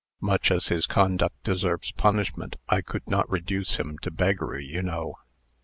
Much as his conduct deserves punishment, I could not reduce him to beggary, you know."